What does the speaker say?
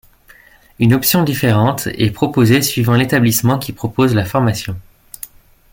Une option différente est proposée suivant l'établissement qui propose la formation.